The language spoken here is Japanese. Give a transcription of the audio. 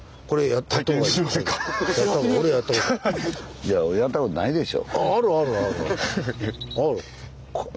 いややったことないでしょ？